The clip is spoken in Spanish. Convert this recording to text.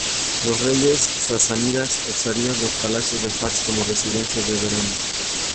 Los reyes sasánidas usarían los palacios en Fars como residencias de verano.